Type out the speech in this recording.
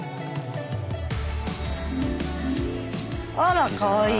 あらかわいい！